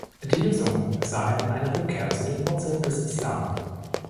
Die Lösung sah er in einer Rückkehr zu den Wurzeln des Islam.